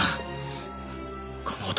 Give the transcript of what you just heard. この男。